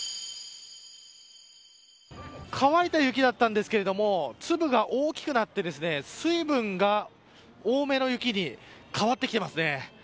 乾いた雪だったんですけれども粒が大きくなって、水分が多めの雪に変わってきています。